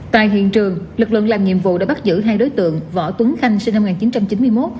tại hiện trường lực lượng làm nhiệm vụ đã bắt giữ hai đối tượng võ tuấn khanh sinh năm một nghìn chín trăm chín mươi một